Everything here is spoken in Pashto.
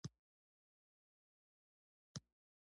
دلیري کلي څخه